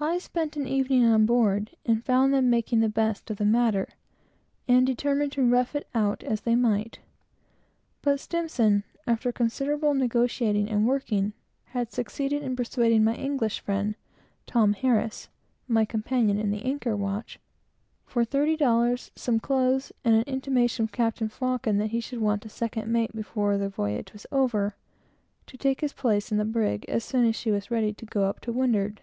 I spent an evening on board, and found them making the best of the matter, and determined to rough it out as they might; but my friend S was determined to go home in the ship, if money or interest could bring it to pass. After considerable negotiating and working, he succeeded in persuading my English friend, Tom Harris, my companion in the anchor watch for thirty dollars, some clothes, and an intimation from Captain Faucon that he should want a second mate before the voyage was up, to take his place in the brig as soon as she was ready to go up to windward.